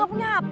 lo gak punya hp